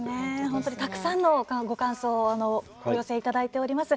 たくさんのご感想お寄せいただいています。